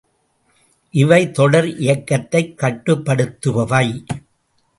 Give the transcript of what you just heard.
இவை தொடர் இயக்கத்தைக் கட்டுப்படுத்துபவை.